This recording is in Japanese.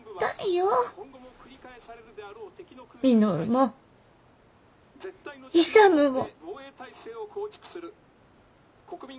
稔も勇も。